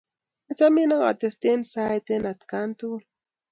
Achamin ak atesten saet eng' atkan tugul.